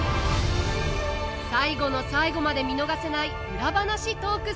最後の最後まで見逃せないウラ話トーク